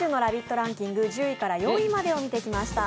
ランキング１０位から４位を見てきました。